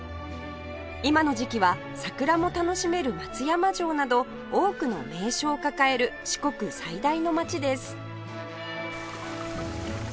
今の時期は桜も楽しめる松山城など多くの名所を抱える四国最大の街です